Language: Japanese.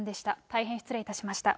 大変失礼しました。